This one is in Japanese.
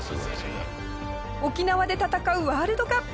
沖縄で戦うワールドカップ